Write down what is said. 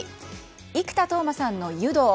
生田斗真さんの「湯道」。